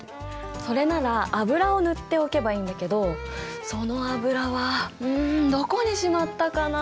それなら油を塗っておけばいいんだけどその油はうんどこにしまったかなあ？